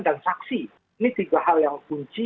dan saksi ini tiga hal yang kunci